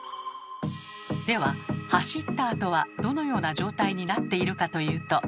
では走ったあとはどのような状態になっているかというと。